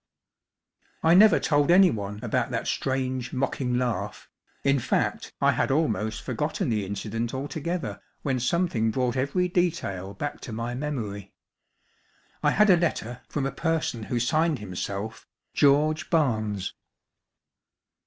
I never told anyone about that strange, mocking laugh, in fact, I had almost forgotten the incident altogether when something brought every detail back to my memory. I had a letter from a person who signed himself "George Barnes."